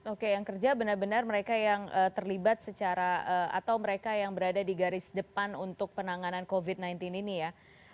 oke yang kerja benar benar mereka yang terlibat secara atau mereka yang berada di garis depan untuk penanganan covid sembilan belas ini ya